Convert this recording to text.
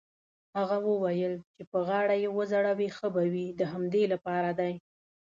هغه وویل: چې په غاړه يې وځړوې ښه به وي، د همدې لپاره دی.